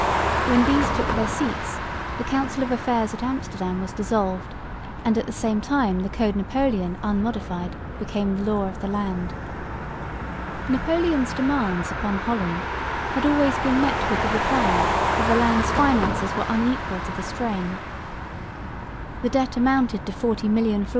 When these took their seats, the Council of Affairs at Amsterdam was dissolved and at the same time the Code Napoléon unmodified became the law of the land. Napoleon's demands upon Holland had always been met with the reply that the land's finances were unequal to the strain. The debt amounted to 40,000,000 fl.